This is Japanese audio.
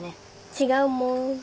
違うもーん。